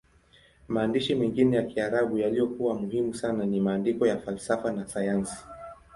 Maandishi mengine ya Kiarabu yaliyokuwa muhimu sana ni maandiko ya falsafa na sayansi.